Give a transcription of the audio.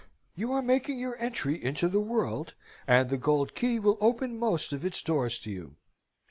"You are making your entry into the world, and the gold key will open most of its doors to you.